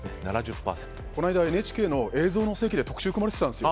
この間、ＮＨＫの「映像の世紀」で特集が組まれてたんです。